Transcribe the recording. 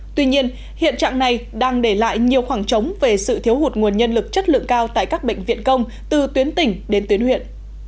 tuy nhiên hiện trạng này đang để lại nhiều khoảng trống về sự thiếu hụt nguồn nhân lực chất lượng cao tại các bệnh viện công từ tuyến tỉnh đến tuyến huyện